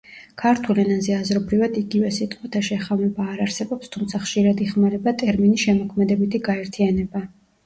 ქართულ ენაზე აზრობრივად იგივე სიტყვათა შეხამება არ არსებობს, თუმცა ხშირად იხმარება ტერმინი შემოქმედებითი გაერთიანება.